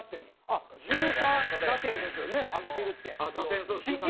あっ１３打点挙げてるって。